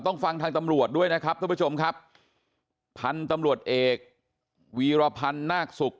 ฟังทางตำรวจด้วยนะครับท่านผู้ชมครับพันธุ์ตำรวจเอกวีรพันธ์นาคศุกร์